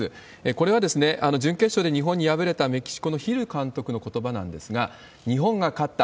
これは準決勝で日本に敗れたメキシコのヒル監督のことばなんですが、日本が勝った。